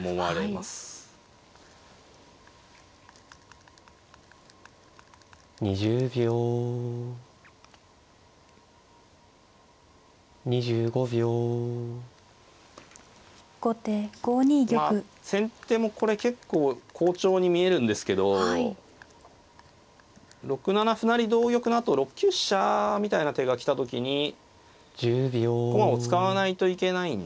まあ先手もこれ結構好調に見えるんですけど６七歩成同玉のあと６九飛車みたいな手が来た時に駒を使わないといけないんですよね。